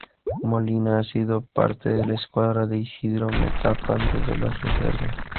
Molina ha sido parte de la escuadra de Isidro Metapán desde las reservas.